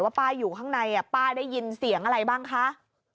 ป้าอยู่ข้างในป้าได้ยินเสียงอะไรบ้างคะ